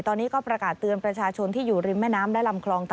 ตอนนี้ก็ประกาศเตือนประชาชนที่อยู่ริมแม่น้ำและลำคลองต่อ